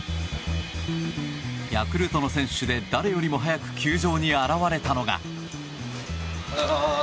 ヤクルトの選手で誰よりも早く球場に現れたのが。